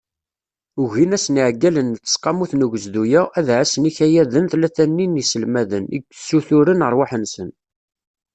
Ugin-asen yiɛeggalen n tseqqamut n ugezdu-a, ad ɛassen ikayaden tlata-nni n yiselmaden, i ssuturen rrwaḥ-nsen.